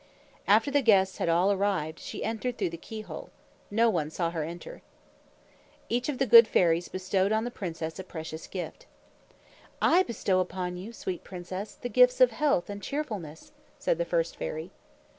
After the guests had all arrived, she entered through the keyhole. No one saw her enter. Each of the good fairies bestowed on the princess a precious gift. "I bestow upon you, sweet princess, the gifts of health and cheerfulness," said the first fairy.